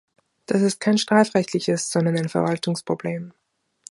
Das ist kein strafrechtliches, sondern ein Verwaltungsproblem.